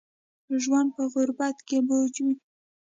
ژوند په غربت کې بوج وي